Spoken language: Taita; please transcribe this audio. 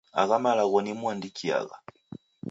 Agha malagho nimuandikiagha.